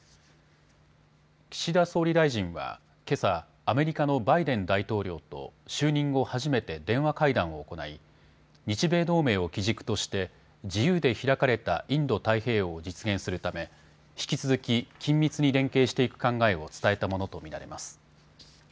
岸田総理大臣はけさ、アメリカのバイデン大統領と就任後初めて電話会談を行い日米同盟を基軸として自由で開かれたインド太平洋を実現するため引き続き緊密に連携していく考えを伝えたものと見られます。